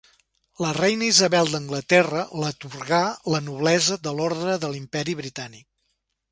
La reina Isabel d'Anglaterra l'atorgà la noblesa de l'Ordre de l'Imperi Britànic.